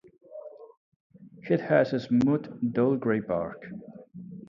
It has smooth dull grey bark.